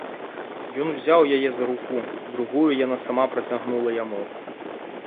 Ён узяў яе за руку, другую яна сама працягнула яму.